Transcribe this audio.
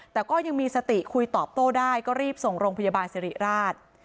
แต่ก็ยังมีสติคุยตอบโต้ได้ก็รีบส่งโรงพยาบาลสิริราช